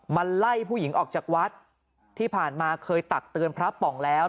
มาไล่ผู้หญิงออกจากวัดที่ผ่านมาเคยตักเตือนพระป่องแล้ว